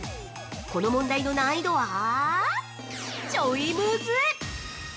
この問題の難易度はちょいムズ。